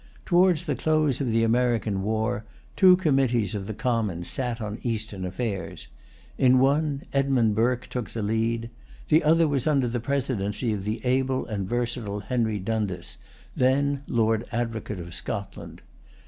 Towards the close of the American war, two committees of the Commons sat on Eastern affairs. In one Edmund Burke took the lead. The other was under the presidency of the able and versatile Henry Dundas, then Lord Advocate of Scotland.